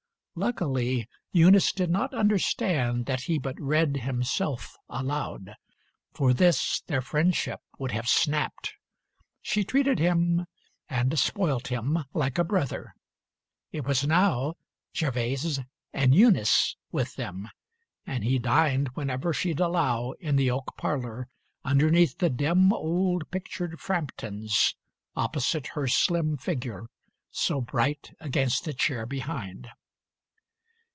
Luckily Eunice did not understand That he but read himself aloud, for this Their friendship would have snapped. She treated him And spoilt him like a brother. It was now "Gervase" and "Eunice" with them, and he dined Whenever she'd allow, In the oak parlour, underneath the dim Old pictured Framptons, opposite her slim Figure, so bright against the chair behind.